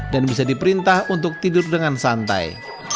dan bisa diperintah untuk tidur dengan santai